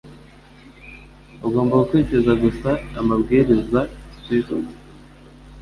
Ugomba gukurikiza gusa amabwiriza (Swift)